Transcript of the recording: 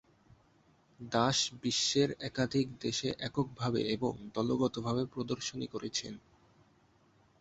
দাস বিশ্বের একাধিক দেশে এককভাবে এবং দলগতভাবে প্রদর্শনী করেছেন।